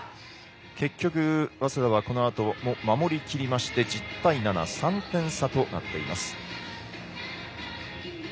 結局、早稲田はこのあとも守りきりまして１０対７３点差となっています。